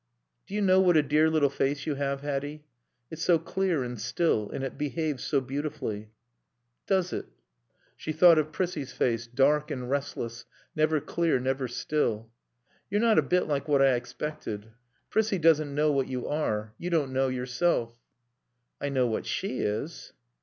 "Do you know what a dear little face you have, Hatty? It's so clear and still and it behaves so beautifully." "Does it?" She thought of Prissie's face, dark and restless, never clear, never still. "You're not a bit like what I expected. Prissie doesn't know what you are. You don't know yourself." "I know what she is."